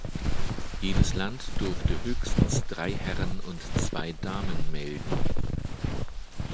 Jedes Land durfte höchstens drei Herren und zwei Damen melden.